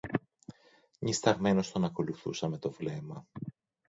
Νυσταγμένος τον ακολουθούσα με το βλέμμα